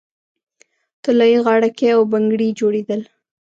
طلايي غاړکۍ او بنګړي جوړیدل